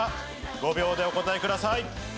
５秒でお答えください。